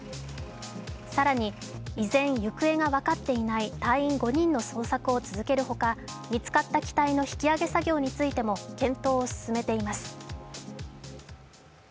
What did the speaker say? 更に依然、行方が分かっていない隊員５人の捜索を続けるほか見つかった機体の引き揚げ作業についても検討を進めています。